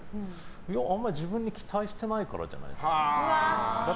あまり自分に期待してないからじゃないですか。